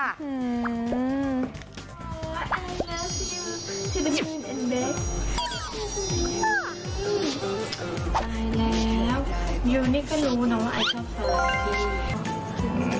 ใช่